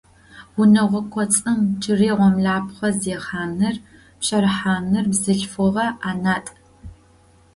Унэгъо кӏоцӏым джыри гъомлэпхъэ зехьаныр, пщэрыхьаныр бзылъфыгъэ ӏэнатӏ.